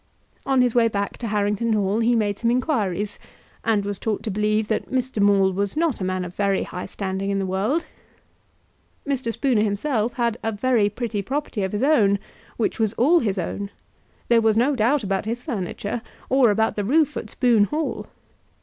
On his way back to Harrington Hall he made some inquiries, and was taught to believe that Mr. Maule was not a man of very high standing in the world. Mr. Spooner himself had a very pretty property of his own, which was all his own. There was no doubt about his furniture, or about the roof at Spoon Hall.